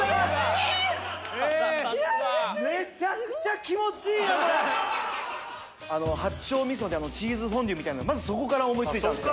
腹立つなめちゃくちゃ気持ちいいなこれあの八丁味噌でチーズフォンデュみたいのまずそこから思いついたんすよ